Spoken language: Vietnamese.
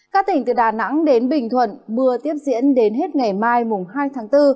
các tỉnh từ đà nẵng đến bình thuận mưa tiếp diễn đến hết ngày mai hai tháng bốn